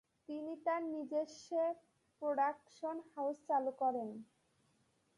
তিনি তার নিজেস্ব প্রোডাকশন হাউস চালু করেন।